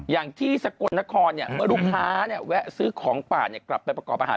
อย่างที่สกลนครเมื่อลูกค้าแวะซื้อของป่ากลับไปประกอบอาหาร